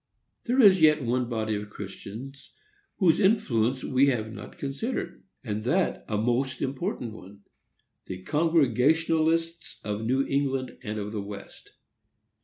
There is yet one body of Christians whose influence we have not considered, and that a most important one,—the Congregationalists of New England and of the West.